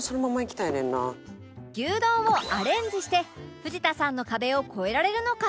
牛丼をアレンジして藤田さんの壁を越えられるのか？